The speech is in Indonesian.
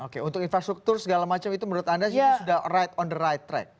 oke untuk infrastruktur segala macam itu menurut anda sebenarnya sudah right on the right track